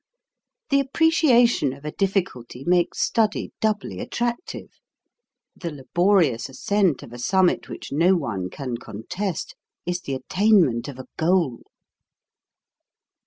The appreciation of a difficulty makes study doubly attractive; the laborious ascent of a summit which no one can contest, is the at tainment of a goal.